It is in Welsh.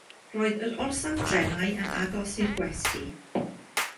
Roedd yr orsaf drenau yn agos i'r gwesty.